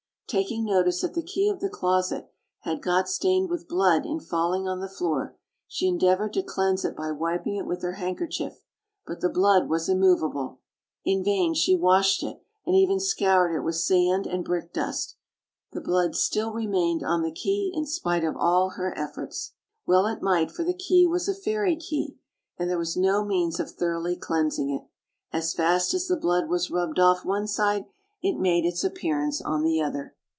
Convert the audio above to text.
Taking notice that the key of the closet had got stained with blood in falling on the floor, she en deavored to cleanse it by wiping it with her handker chief; but the blood was immovable: in vain she washed it, and even scoured it with sand and brick dust; the blood still remained on the key, in spite of all her efforts. Well it might, for the key was a fairy key, and there was no means of thoroughly cleansing it; as fast as the blood was rubbed off one side, it made its appearance on the other.